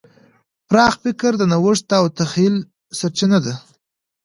پراخ فکر د نوښت او تخیل سرچینه ده.